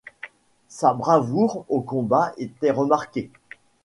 Sa bravoure au combat était remarquée.